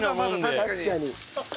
確かに。